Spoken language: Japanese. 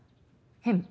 変？